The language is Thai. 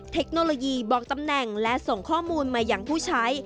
เทคโนโลยีบอกตำแหน่งและส่งข้อมูลมาอย่างผู้ใช้